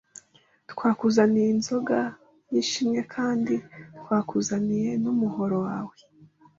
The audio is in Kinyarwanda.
twakuzaniye inzoga y'ishimwe kandi twakuzaniye n'umuhoro wawe